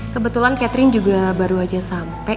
kebetulan catherine juga baru aja sampai